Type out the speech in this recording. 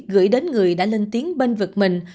gửi đến người đã lên tiếng bên vực mình